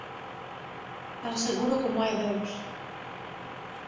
Tan seguro como hai Deus.